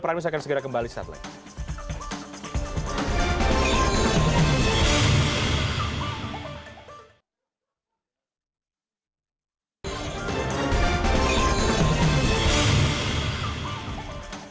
pramisa akan segera kembali di satellite